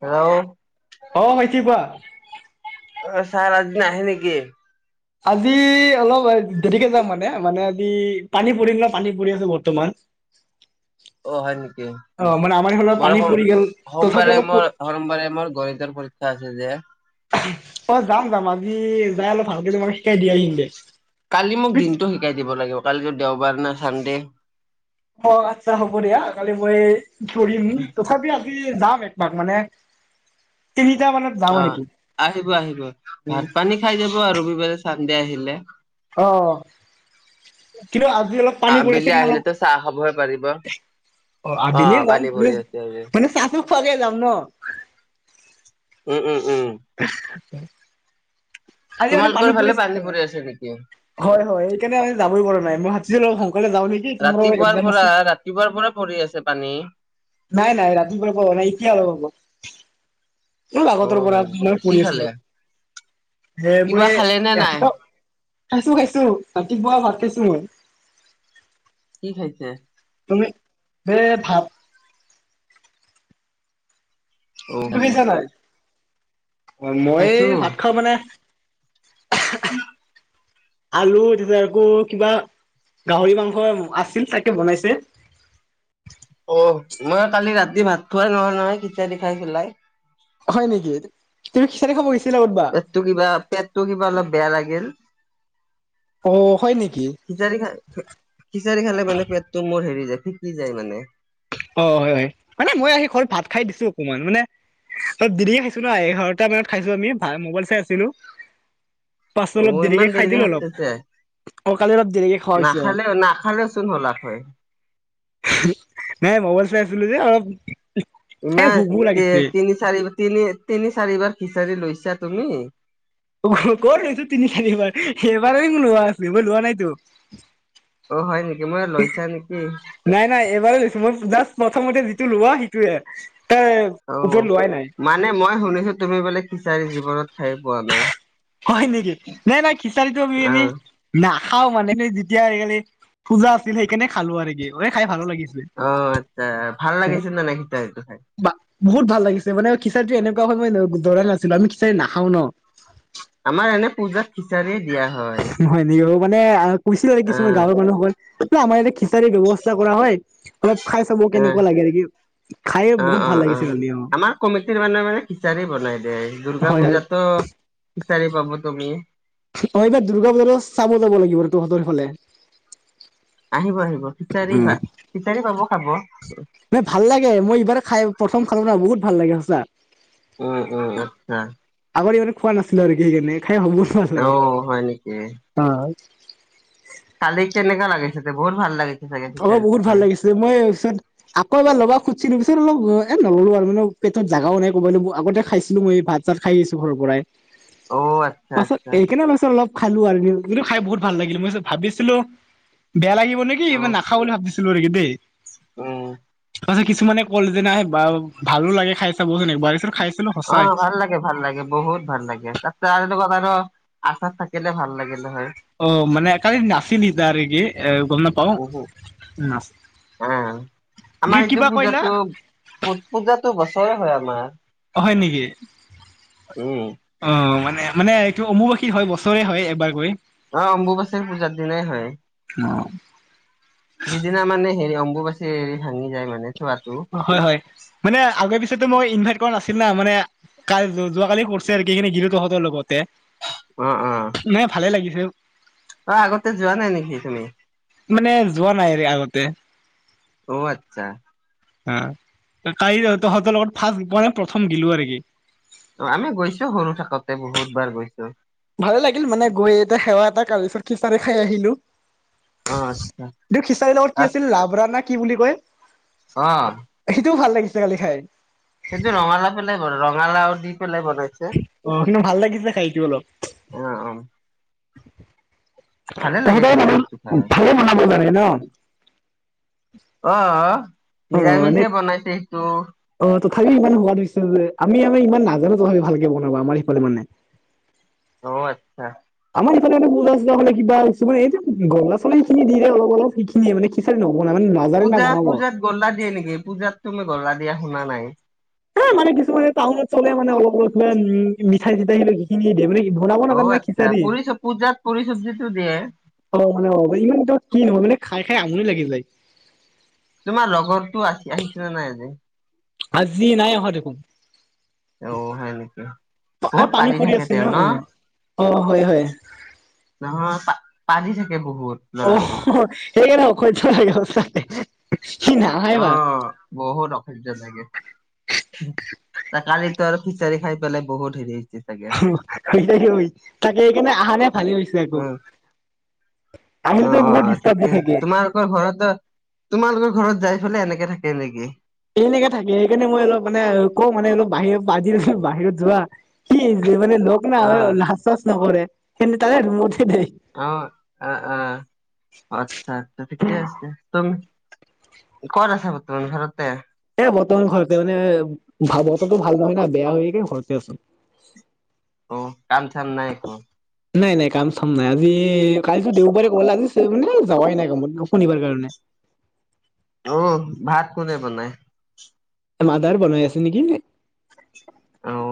Hello অ' ভাইটি কোৱা? অ' ছাৰ আজি নাহে নেকি? আজি অলপ দেৰিকে যাম মানে, মানে আজি পানী পৰিল ন, পানী পৰি আছে বৰ্তমান। অ' হয় নেকি? অ মানে আমাৰ এইফালে মই পানী সোম পৰি গ'ল তথাপি সোমবাৰে অলপ মোৰ, সোমবাৰে মোৰ গণিতৰ পৰীক্ষা আছে যে। অ' যাম যাম আজি যাই অলপ ভালকে তোমাক শিকাই দি আহিম দে। কালি মোক দিনটো শিকাই দিব লাগিব, কালিতো দেওবাৰ না চানডে। অ' আচ্ছা হ'ব দিয়া কালি মই ধৰিম তথাপি আজি যাম এক পাক মানে তিনিটা মানত যাওঁ অ' নেকি আহিব আহিব, ভাত পানী খাই যাব আৰু ৰবিবাৰে চানদে আহিলে। অ', অ', অ' কিন্তু আজি আজি অলপ পানী পৰি আছে আবেলি কিনে অলপ আহিলেতো চাহ খাবহে পাৰিব অ' আবেলিয়ে যাম পানী ভৰি আছে আজি মানে চাহটো খোৱাকে যাম ন'। উম উম উম। [unintelligible] আজি মানে পানী পৰি আছে। হয় হয় সেইকাৰণে আমি যাবই পৰা নাই মই হাত ৰাতিপুৱাৰ পৰা ৰাতিপুৱাৰ পৰা পৰি আছে পানী? নাই নাই ৰাতিপুৱাৰ পৰা নাই, এতিয়া অলপ আগত। বহু অ আগতৰ পৰা হয় নেকি মই কি পঢ়ি খালে আছিলোঁ। হে কিবা মই খালে নে নাই ৰাতিপুৱা, খাইছোঁ খাইছোঁ ৰাতিপুৱা ভাত খাইছোঁ। উম। কি খাইছে? তুমি দে ভাত। অ তুমি খালে খাইছা নাই? মই খাইছো। ভাত খাওঁ মানে [unintelligible] আলু তাতে আকৌ কিবা গাহৰি মাংস আছিল তাকে বনাইছে। [unintelligible] ত' মই কালি ৰাতি ভাত খুৱাই নহ'ল নহয় খিচাৰি খাই পেলাই হয় নেকি, তুমি খিচাৰি খাব গৈছা? পেটটো কিবা পেটটো কিবা অলপ বেয়া লাগিল। অ' হয় নেকি? খিচাৰি খা খিচাৰি খালে মানে পেটটো মোৰ হেৰি হৈ যায়। ফিকি যায় মানে। অ' হয় হয় মানে মই আহি ঘৰত ভাত খাই দিছোঁ অকমান মানে অ' দিৰিকে খাইছো না, এঘাৰটা মানত খাইছোঁ আমি ভা মোবাইল চাই আছিলোঁ। পাছত অ অলপ দেৰিকে ইমান খাই দিলোঁ ভাত অলপ। খাইছে অ' কালি অলপ দেৰিকৈ খাৱা হৈছে অ'। নাখালে নাখালে চোন হলাক হয় নাই মোবাইল চাই আছিলোঁ যে অলপ। এ না ভোকো লাগিছে তিনি চাৰিবাৰ তিনি-তিনি চাৰিবাৰ খিচাৰি লৈছা তুমি। ক'ত লৈছোঁ তিনি চাৰিবাৰ, এবাৰেই লোৱা আছে মই লোৱা নাইতো। অ হয় নেকি মই লৈছা নেকি নাই নাই এইবাৰ লৈছো মই, জাষ্ট প্ৰথমতে যিটো লোৱা সেইটোয়ে। তাৰ ওপৰত অ' লোৱাই নাই মানে মই শুনিছো তুমি বোলে খিচাৰি জীৱনত খাই পোৱা নাই। হয় নেকি? নাই নাই খিচাৰিটো আমি‌ অ এনে না খাওঁ মানে এনেই যেতিয়া আজিকালি পূজা আছিল সেইকাৰণে খালোঁ আৰু কিৰে খাই ভালো লাগিল। অ' আচ্ছা ভাল লাগিছিল নে নাই খিচাৰিটো খাই? বা বহুত ভাল লাগিছে মানে খিচাৰিটো এনেকুৱা হয় মই ন-ধৰাই নাছিলো আমি খিচাৰি নাখাও ন'। আমাৰ এনে পূজাত খিচাৰি দিয়া হয়। হয় নেকি অ' মানে কৈছিলে আৰু কিছুমান আহ গাঁৱৰ মানুহসকল ন' আমাৰ ইয়াতে খিচাৰিৰ ব্যৱস্থা কৰা হয় অলপ খাই চাব এ, কেনেকুৱা লাগে নেকি খায়ে অ', বহুত ভাল অ', লাগিছে কালি অ' আমাৰ কমিটিৰ মানে মানে খিচাৰি বনাই দে দুৰ্গা হয় হয় পূজাতো খিচাৰি পাব তুমি। অ' এইবাৰ দুৰ্গা পূজাৰ চাব যাব লাগিব তহঁতৰ ফালে। আহিব আহিব খিচাৰি বা-খিচাৰি পাব খাব। নাই ভাল লাগে মই এইবাৰ খাই প্ৰথম খালো না বহুত ভাল লাগে সঁচা। উ, উ, আচ্ছা। আগতে ইমান খোৱা নাছিলো আৰু সেই কাৰণে খাই বহুত ভাল অ লাগে হয় নেকি অ'। কালি কেনেকা লাগিছে বহুত ভাল লাগিছে। চাগে অ', খিচাৰিটো বহুত ভাল খাই লাগিছে মই আকৌ এবাৰ ল'বা খুজিছিলোঁ অলপ এ নললো আৰু মানে পেটত জাগাও নাই ক'ব ল আগতে খাইছিলো মই ভাত চাত খাই আছো ঘৰ পৰাই-া অ আচ্ছা পাছত আচ্ছা এই কেনে পাছত অলপ খালো আৰু যিটো খাই বহুত ভাল লাগিল মই ভাবিছিলো বেয়া লাগিব নেকি অ মই [unintelligible] দেই উম তাৰ পাছত কিছুমানে ক'ল যে নাই আহ বা ভালো লাগে খাই চাবচোন একবাৰ তাৰপিছত খাইছিলো অ সঁচাই ভাল লাগে ভাল লাগে বহুত ভাল লাগে তাতে আৰু লগত। আচাৰ থাকিলে ভাল লাগে অ মানে কালি নাছিল [unintelligible] গম নাপাওঁ উহু আহ আমাৰ এইটো পূজাতো পূজাতো বছৰে হয় আমাৰ। অ 'হয় নেকি উম অ মানে মানে এইটো অম্বুবাচী হয় বছৰে হয় এবাৰকৈ অ 'অম্বুবাচীৰ পূজাৰ দিনাই হয় অ' যিদিনা মানে হেৰি অম্বুবাচী এৰি ভাঙি যায় মানে চোৱাটো হয় হয় মানে আগৰ পিছেতো মই ইনভাইট কৰা নাছিলো [unintelligible] মানে কাল যোৱাকালি কৰিছে আৰু এইখিনি গিলো তহঁতৰ লগত অ অ মানে ভালে লাগিছে অ আগতে যোৱা নাই নেকি তুমি মানে যোৱা নাই আগতে অ আতচ্ছা হা কাই তহঁতৰ লগত ফাৰ্ষ্ট মানে প্ৰথম গিলো আৰু কি অ' আমি গৈছো সৰু থাকোতে বহুত বাৰ গৈছো ভালে লাগিল মানে গৈ এতিয়া সেৱা এটা তাৰপিছত খিচাৰি খাই আহিলো। অ আচ্ছা খিচাৰি লগত কি তাত আছিল লাভৰা না কি বুলি কয় অ সেইটোও ভাল লাগিছে কালি খাই সেইটো ৰঙালাও পেলাই ৰঙালাও দি পেলাই বনাইছে অ কিন্তু ভাল লাগিছে খাই সেইটো অলপ অ' ভালে লাগে তহঁতৰ খিচাৰিটো মানুহ খাই ভালে বনাব জানে ন অ' অ এনে নিৰামিষে বনাইছে সেইটো অ তথাপি ইমান সোৱাদ হৈছে যে আমি আমি ইমান নাজানো তথাপি ভালকে বনাবা আমাৰ সিফালে মানে অ' আতচ্ছা ফালে কিবা এই যে গল্লা- চল্লা খিনি অলপ অলপ সিখিনে মানে নবনাই মানে নাজানে না পূজা বনাব। পূজাত গল্লা দিয়ে নেকি পূজাত তুমি গলা দিয়া শুনা নাই। হা মানে কিছুমানে টাউনত চলে মে অলপ অলপা উ মিঠাই চিঠাই স সখিনিয়ে। অ আচ্ছা পুৰি চ পূজাত পুৰি চব্জি তোৰ দিয়ে। অ মানে অ ইমান এ কি নহয় মানে খাই খাই আমনি লাগি যায়। তোমাৰ লগৰটো আ আহিছিলে নাই আজি? আজি নাই অহা দেখোন। অ হয় নেকি এ বহুত পানী পাদি পৰি থাকে আছে তেওঁ ন? অ'। অ' হয় হয় নহয় পাদি থাকে বহুত লৰাটো। সেইকাৰণ অশজ্যা চে সি নাহাই বা। স লাগে ত কালিতো আৰু খিচাৰী খাই পেলাই বহুত হেৰি চাগে হু, তাকে এইকাৰনে অহা নে ভালেই হৈছে আকৌ। উম আমিতো অ', অ', বহুত অ', ডিষ্টাৰ্ব দি ঠিকে আছে থাকে। তোমালোকৰ ঘৰত তোমালোকৰ ঘৰত যাই পেললে এনেকে থাকে নেকি? এনেকে থাকে সেইকাৰণে মই অলপ মানে কওঁ মানে অলপ বাহিৰত পৰা আজি বাহিৰত যোৱা সি মানে লগ অ নাই লাজ-চাজ নকৰে স তাকে অ', অ' - অ'। আচ্ছা - আচ্ছা, ঠিকে আছে- তুমি ক'ত আছা বৰ্তমান ঘৰত এ বৰ্তমান ঘৰতে মানে ভা- বতৰটো ভাল নহয় না, বেয়া হয় এইকাৰণে ঘৰতে আছোঁ। অ কাম চাম নাই একো? নাই, নাই কাম চাম নাই আজি কালিটো দেওবাৰে গ'ল আজি যাৱাই নাই কামত শনিবাৰ কাৰণে। অ', ভাত কোনে বনাই? মাদাৰ বনাই আছে নেকি? অহ,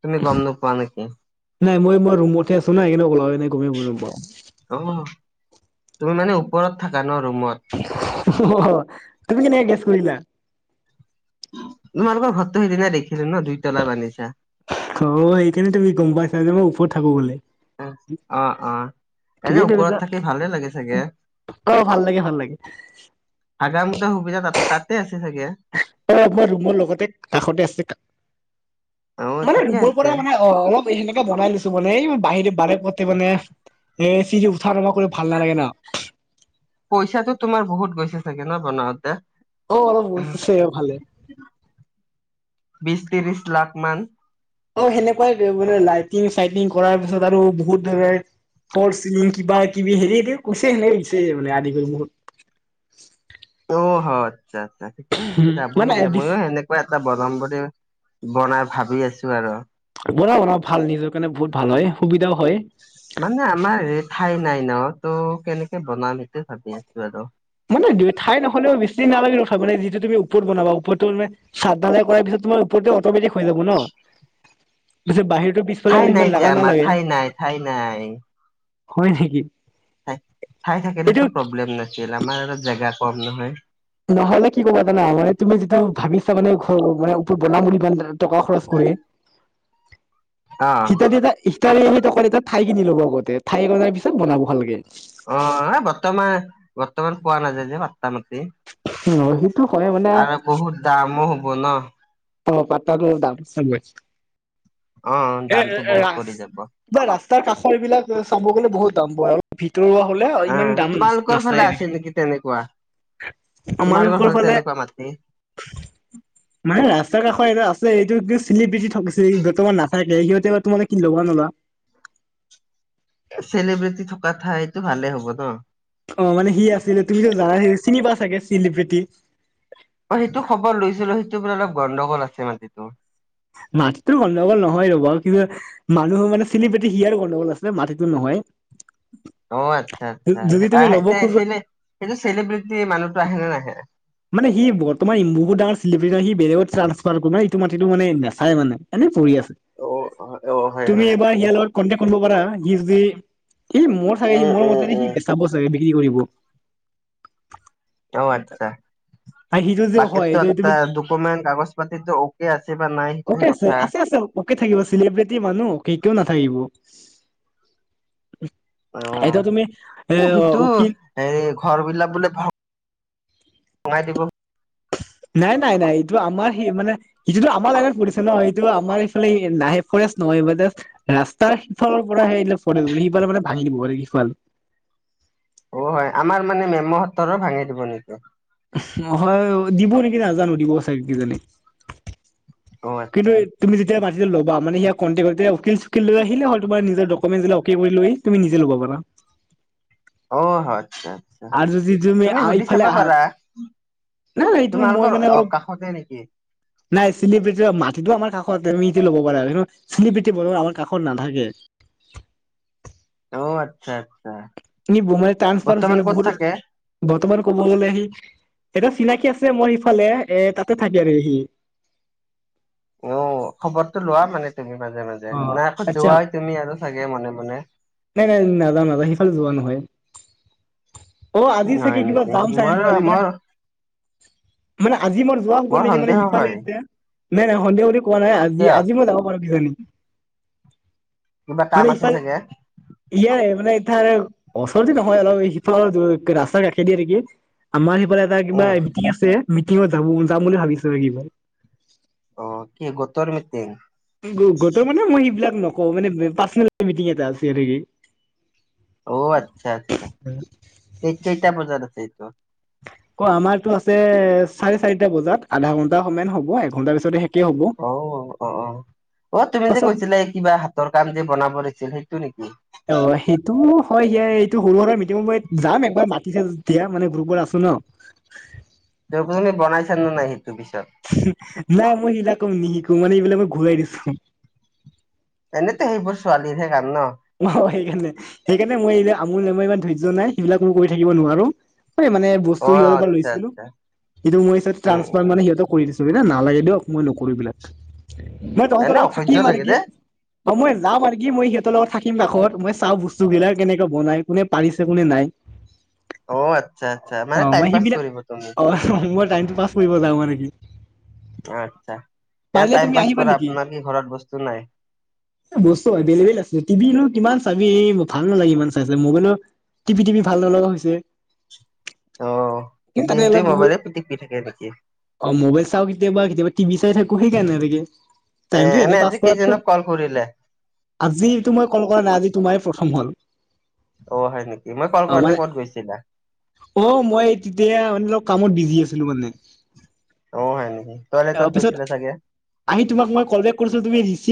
তুমি গম নোপোৱা নেকি? নাই, মই মই ৰুমতহে আছো না উলাই নাই গমে নাপাওঁ। অ', তুমি মানে ওপৰত থাকা ন' ৰুমত? অহ, তুমি কেনেকে গেচ কৰিলা? তোমালোকৰ ঘৰটো সেইদিনা দেখিলো ন দুইতলা বান্ধিছা। অ', সেইকাৰণে তুমি গম পাইছা যে মই ওপৰত থাকোঁ বুলি। উম, অ', অ'। এনে ঠিকেই ওপৰত ধৰিছা থাকি ভালে লাগে চাগে? অ ভাল লাগে ভাল লাগে হাগা মু তা সুবিধা তা-তাতে আছ অ', আমাৰ ৰুমৰ লগতে কাষতে আছে। অ মানে ঠিকে ৰুমৰ আছে। পৰা মানে অ', অ', অলপ এ বনাই লৈছো মানে এই বাহিৰে বাৰে পতে মানে এ চিৰি ঠা নমা কৰি ভাল নালাগে ন'। তে থাকে ন' বনাওঁতে। অ', অলপ হৈছে চাগে ভালে। বিছ ত্ৰিছ লাখ মান। অ', সেনেকুৱাই মানে লাইটিং চাইটিং কৰাৰ পিছত আৰু বহুত ধৰণে ফৰ চিলিং কিবা কিবি হেৰি কৈছে সেনে কছে মানে আদি কৰি বহুত‌। [inaudible] অ', আচ্ছা, আচ্ছা ঠিকে আছে যাবই মানে দিয়া, ময়ো সেনেকুৱা। এটা বানাম বুলি বনাই ভাবি আছোঁ আৰু। বনা বনা ভাল, নিজৰ কাৰণে বহুত ভাল হয়, সুবিধাও হয় মানে আমাৰ ঠাই নাই ন ত' কেনেকে বনাম সেইটোৱে ভাবি আছো আৰু। মানে দু ঠাই নহলেও বেছি নালাগে হয় মে যিটো তম ওপৰত বনাবা পৰতটো মে চ ঢালাই কৰাৰ পিছত তোমাৰ পৰতটো অ'মেটিক হৈ যাব ন। উ [inaudible] পিছে বাহিৰত ঠাই নাই যে আমাৰ ঠাই নাই - ঠাই নাই। হয় নেকি? ই ঠাই এইটো থাকিলেতো প্ৰব্লেম নাছিল আমাৰ জেগা কম নহয়। নহ'লে কি ক'ব জানা মানে তুমি যিটো ভাবিছা মানে ঘৰ মানে ওপৰত বনাম বুলি টকা খৰচ কৰি হয়। [unintelligible] অ'। হিতাৰী এটা সিতালী এ কাৰ এটা ঠাই কিনি ল'ব আগতে ঠাই কৰাৰ পিছত বনাব ভালকে। অ' বৰ্তমান বৰ্তমান পোৱা নাযায় যে পাট্টা মাটি উম আৰু বহুত দামো হব ন' অ পাট্টা টো দাম চলিবই। অ' এ দামটো এ বহুত ৰা পৰি যাব। স্ত ৰাস্তাৰ কাষৰ এইবিলাক চাব গ'লে বহুত দাম পৰে অ' তৰুৱা হলে ইমান অ', দাম তোমালোকৰ ফালে নাচায়ে আছে নেকি তেনেকুৱা? আমাৰ তোমালোকৰ সকল ফালে তেনেকুৱা মাটি মানে ৰাস্তা কাষৰ এইটো আছে এইটো চিলি পিটি থকছে বৰ্তমান ন' থাকে সিহঁতে বা তোমে কি লবা নলোৱা চেলিব্ৰেটি থকা ঠাইটো ভালে হ'ব ন অ' মানে সি আছিলে তুমিতো জানাই চিনিবা চাগে চিলিব্ৰেটি অ' সেইটো খবৰ লৈছিলো সেইটো বোলে অলপ গণ্ডগোল আছে মাটিটো মাটিতটো গণ্ডগোল নহয় ৰ'বা কিন্তু মানুহ মানে চিলি পেটি হিয়াৰ গণ্ডগোল আছে মাটিতটো নহয় [unintelligible] অ' আচ্ছা-আচ্ছা, যদি সেইটো তুমি ল'ব খোজা আহিছেনে, সেইটো চেলিব্ৰিটি মানুহটো আহেনে নাহে? মানে সি বৰ্তমান বহুত ডাঙৰ চেলিব্ৰেটাৰ, সি বেলেগত চাঞ্চ পাল না, এইটো মাটিটো মানে নেচাই মানে এনে পৰি আছে। অ অ হয় তুমি হয় এবাৰ আচ্ছা ইয়াৰ লগত, কন্টেক্ট কৰিব পাৰা? সি যদি এই মোৰ চাগে সি উম মই উম মতে সি উম। বেচাব চাগে, বিক্ৰী কৰিব। অ' আচ্ছা। আৰু সিটো যে হয় বাকীতো যে এটা তুমি ডকমেণ্ট কাগজ পাতিতো অকে আছে বা নাই, সেইটোহে অকে আছে কথা। আছে অকে থাকিব, চিলিব্ৰিটি মানুহ কে কিয় নাথাকিব। এতিয়া তুমি অ' এ অ সেইটো অকি হেৰি ঘৰ বিলাক বোলে ভা সোমাই দিব। নাই-নাই-নাই এইটো আমাৰ সেই মানে সিটোতো আমাৰ লাইনত পৰিছে ন, এইটো আমাৰ এইফালে নাহে ফৰেষ্ট ন মই মানে ৰাস্তাৰ সিফালৰ পৰা হে ফৰেষ্ট, সিফালে মানে ভাঙি দিব মানে কিছুমান অ' হয় আমাৰ মানে মেমহতৰো ভাঙি দিব নেকি? নহয় অ' দিব নেকি নাজানোঁ, দিব চাগে কিজানি। অ কিন্তু আচ্ছা তুমি যেতিয়া মাটিটো ল'বা মানে সেইয়া কণ্টেকতে উকিল-চুকিল লৈ আহিলে হ'ল, তোমাৰ নিজৰ ডকুমেন্ট বিলাক অকে কৰি লৈ তুমি নিজে ল'ব পাৰা। অ' হয়। আচ্ছা আচ্ছা আৰু যদি তুমি সুধি এইফালে চাবা পাৰা আহাত নাই এইটো মই তোমালোকৰ মানে অ অলপ কাষতে নেকি? নাই চিলিপিতি মাটিটো আমাৰ কাষৰ জমিতে ল'ব পাৰে আৰু চিল পিঠি বৰ আমাৰ কাষত নাথাকে। অ', আচ্ছা। নি মানে টাঞ্চফাৰ হৈছে বৰ্তমান মানে ক'ত থাকে? বহুত বৰ্তমান ক'ব গ'লে সি এটা চিনাকি আছে মোৰ ইফালে এ তাতে থাকে আৰু সি। অ', খবৰটো লোৱা মানে। তুমি মাজে মাজে অ নাই আকৌ আচ্ছা যোৱাই তুমি আৰু চাগে মনে মনে। নাই, নাই, নাযাওঁ, নাযাওঁ, সেইফালে যোৱা নহয়। অ', আজি হয় চাগে কিবা নেকি যাম চাগে মোৰ ছোৱালী মানে মোৰ মানে আজি মই যোৱা হ'ব মোৰ নেকি মানে সন্দেহ সিফালে হয় এতিয়া? নাই, নাই, সন্ধিয়া কৰি কোৱা নাই আজি কিয়? আজি মই যাব পাৰোঁ কিজানি। কিবা কাম মানে আছে ইফালে, চাগে ইয়াৰে মানে তাৰে ওচৰতে নহয় অলপ সিফালৰ ৰাস্তাৰ কাষে দিয়ে নেকি আমাৰ স বলে এটা কিবা উম মিটিং আছে, মিটিঙত যাব যাম বুলি ভাবিছোঁ এ কিবা। অ', কি গোটৰ মিটিং? কি গোট গোটৰ মানে মই সিবিলাক নকওঁ, মানে পাৰ্চনেল মিটিং এটা আছে আৰু গি অ', আচ্ছা, আচ্ছা, তে কেইটা বজাত আছে এইটো? ক' আমাৰটো আছে চাৰে চাৰিটা বজাত, আধা ঘন্টা সমান হ'ব এঘন্টাৰ পিছতে শেষেই হ'ব। অ', অ', অ'। অ', তুমি যে পাছত কৈছিলা এ কিবা হাতৰ কাম যে বনাব দিছিল সেইটো নেকি? অ', সেইটো হয় হে, এইটো সৰু সুৰা মিটিঙত মই, যাম একবাৰ মাতিছে যেতিয়া, মানে গ্ৰুপত আছোঁ ন'। [unintelligible] বনাইছা নে নাই? পিছত নাই, মই সেইলাক নিশিকো মানে এইবিলাক মই ঘূৰাই দিছোঁ। এনেতো সেইবোৰ ছোৱালীৰ হে কাম ন? সেইকাৰণে-সেইকাৰণে মই এইবাৰ আমোল মোৰ ইমান ধৈৰ্য নাই, সেইবিলাক মই কৰি থাকিব নোৱাৰোঁ। হে মানে বস্তু অ', সিহঁতৰ পৰা আচ্ছা লৈছিলোঁ, আচ্ছা ইটো মোৰ ওচৰত উম ট্ৰাঞ্চ'ফাৰ উম মানে সিহঁতক কৰি দিছোঁ ন' [unintelligible] দিয়ক মই নকৰোএইবিলাক, মই তহঁতৰ এনে লগত অসহ্য থাকিম মানে লাগে কি দে অ', মই যাম আৰু কি মই সিহঁতৰ লগত থাক [unintelligible] কাষত, মই চাওঁ বস্তুগিলাক কেনেকে বনাই কোনে পাৰিছে কোনে নাই। অ', আচ্ছা আচ্ছা মানে অ', টাইম মই পাছ সেইবিলাক, কৰিব তুমি। অ, মই টাইমটো পাছ কৰিব যাওঁ মনে কি। অচ্ছা, এনে পাৰিলে টাইম তুমি পাছ আহিবা কৰা নেকি? আপোনাৰ কি ঘৰত বস্তু নাই? এ বস্তু এবেলেভেল আছে টিভিনো কিমান চাবি, ভাল নালাগে ইমান চাই-চাই, মবাইলো, টিপি-টিপি ভাল নলগা হৈছে। অ'হ। তাতে অলপ বহুত, অ', মোবাইল চাও কেতিয়াবা, কেতিয়াবা টিভি চা ই থাকো, সেইকাৰণে আৰু কি এ টাইমটো এনে এনেই পাচ আজি কৰাতকৈ, কেইজনক কল কৰিলে আজি তো মই কল কৰা নাই, আজি তোমাৰে প্ৰথম হ'ল অ', হয় নেকি মই কল অ কৰোতে মানে ক'ত গৈছিলা অ', মই তেতিয়া, মানে অলপ কামত বিজি আছিলো মানে অ', হয় নেকি, তইলেটত তাৰপিছত গৈছিলে চাগে আহি তোমাক মই কল বেক কৰিছিলো তুমি ৰিচি